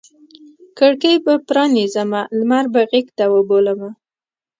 کړکۍ به پرانیزمه لمر به غیږته وبولمه